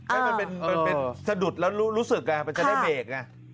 ให้มันเป็นสะดุดแล้วรู้สึกมันจะได้เบรกไง